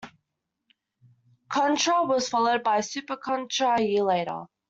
"Contra" was followed by "Super Contra" a year later.